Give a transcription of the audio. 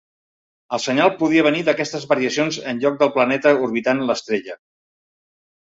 El senyal podia venir d'aquestes variacions en lloc del planeta orbitant l'estrella.